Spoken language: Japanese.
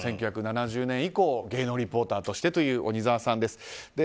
１９７０年以降芸能リポーターとしてという鬼沢さんです。